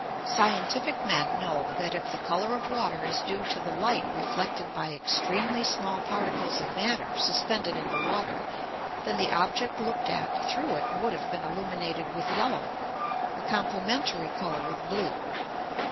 Scientific men know that, if the colour of water is due to the light reflected by extremely small particles of matter suspended in the water, then the object looked at through it would have been illuminated with yellow (the complementary colour of blue).